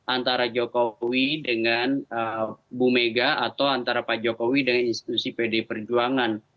antara jokowi dengan bu mega atau antara pak jokowi dengan institusi pdi perjuangan